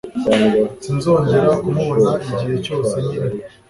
Sinzongera kumubona igihe cyose nkiriho.